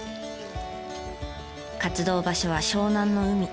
活動場所は湘南の海。